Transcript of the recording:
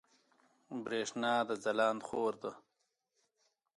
برېښنا د ځلاند خور ده